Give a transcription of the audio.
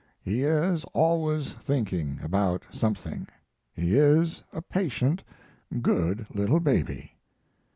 He is always thinking about something. He is a patient, good little baby.